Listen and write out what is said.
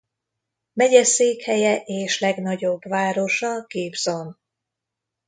Megyeszékhelye és legnagyobb városa Gibson.